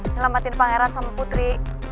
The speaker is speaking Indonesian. ngelamatin pangeran sama putri